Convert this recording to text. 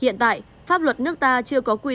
hiện tại pháp luật nước ta chưa có pháp luật